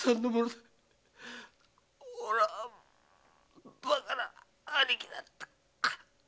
俺はバカな兄貴だった。